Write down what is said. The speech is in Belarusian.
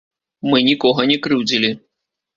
Мы нікога не крыўдзілі.